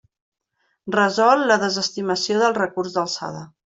Resol la desestimació del recurs d'alçada.